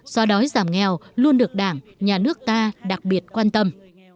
do đói giảm nghèo luôn được đảng nhà nước ta đặc biệt quan tâm